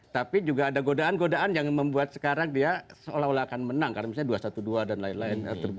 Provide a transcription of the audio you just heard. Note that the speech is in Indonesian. tapi juga ada godaan godaan yang membuat sekarang dia seolah olah akan menang karena misalnya dua ratus dua belas dan lain lain